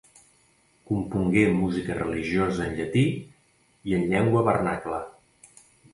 Compongué música religiosa en llatí i en llengua vernacla.